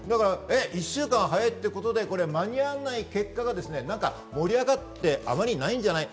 １週間早いってことで間に合わない、結果が盛り上がってないんじゃない？